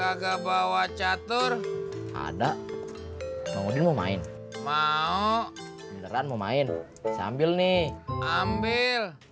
enggak bawa catur ada mau main mau mau main sambil nih ambil